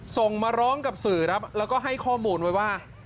ส่งมาร้องกับสื่อครับแล้วก็ให้ข้อมูลไว้ว่า